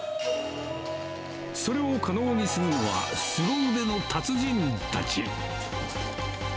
それを可能にするのはすご腕の達人たち。